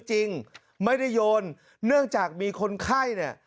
จริงไม่ได้โยนเนื่องจากมีคนไข้เนี่ย